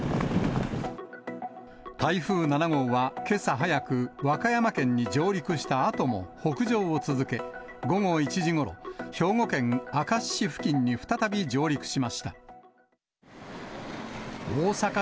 台風７号はけさ早く、和歌山県に上陸したあとも北上を続け、午後１時ごろ、兵庫県明石市付近に再び上陸しました。